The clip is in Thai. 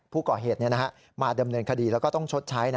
ผู้ก่อเหตุมาดำเนินคดีแล้วก็ต้องชดใช้